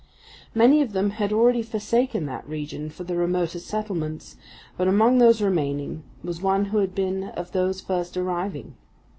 Many of them had already forsaken that region for the remoter settlements, but among those remaining was one who had been of those first arriving.